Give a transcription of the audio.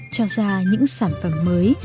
cho ra những sản phẩm mới